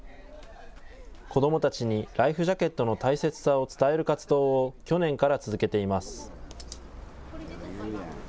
子どもたちにライフジャケットの大切さを伝える活動を去年から続けています。